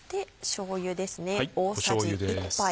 しょうゆです。